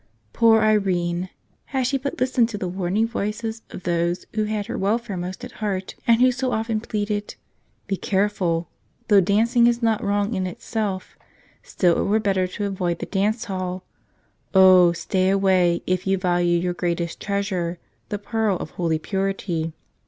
Poor Irene! Had she but listened to the warning voices of those who had her welfare most at heart and who so often pleaded, "Be careful; though dancing is not wrong in itself, still it were better to avoid the dance hall. Oh, stay away, if you value your greatest treasure, the pearl of holy purity.